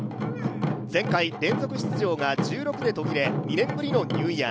前回連続出場が途切れ２年ぶりのニューイヤー。